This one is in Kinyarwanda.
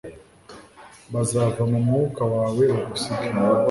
Bazava mu mwuka wawe bagusige